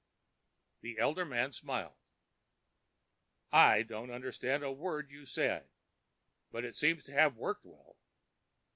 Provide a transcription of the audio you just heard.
The elder man smiled. "I don't understand a word you say, but it seems to have worked well.